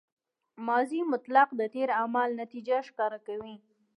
ماضي مطلق د تېر عمل نتیجه ښکاره کوي.